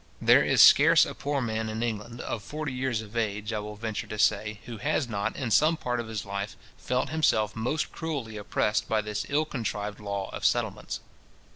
There is scarce a poor man in England, of forty years of age, I will venture to say, who has not, in some part of his life, felt himself most cruelly oppressed by this ill contrived law of settlements.